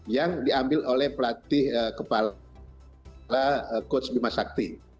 yang diambil oleh pelatih kepala coach bimasakti